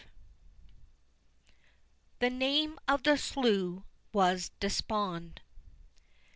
"The name of the slough was Despond."